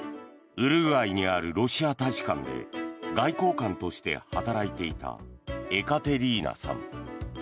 ウルグアイにあるロシア大使館で外交官として働いていたエカテリーナさん。